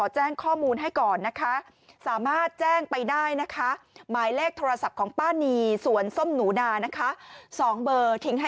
ฉะนั้นขอแจ้งข้อมูลให้ก่อนนะคะ